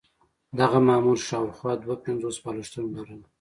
دغه مامور شاوخوا دوه پنځوس بالښتونه لرل.